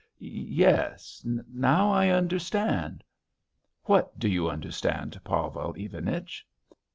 Yes.... Now I understand." "What do you understand, Pavel Ivanich?"